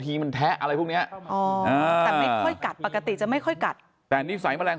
มันแทะอะไรพวกเนี้ยอ๋อแต่ไม่ค่อยกัดปกติจะไม่ค่อยกัดแต่นิสัยแมลง